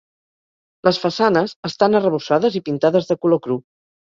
Les façanes estan arrebossades i pintades de color cru.